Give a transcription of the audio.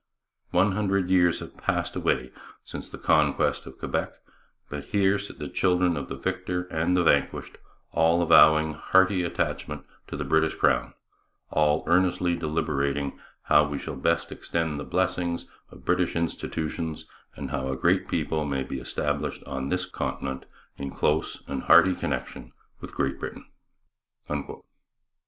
One hundred years have passed away since the conquest of Quebec, but here sit the children of the victor and the vanquished, all avowing hearty attachment to the British Crown, all earnestly deliberating how we shall best extend the blessings of British institutions, how a great people may be established on this continent in close and hearty connection with Great Britain.